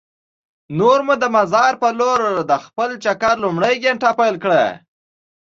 نور مو د مزار په لور د خپل چکر لومړۍ ګېنټه پیل کړه.